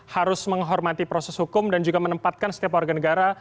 harus menghormati proses hukum dan juga menempatkan setiap warga negara